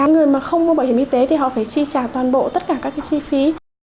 người mà không có bảo hiểm y tế thì họ phải chi trả toàn bộ tất cả các chi phí